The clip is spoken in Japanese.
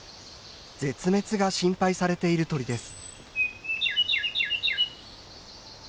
絶滅が心配されている鳥です。